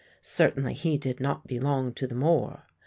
Certainly he did not belong to the moor.